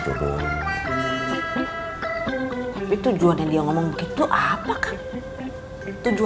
jemangnya dengan itu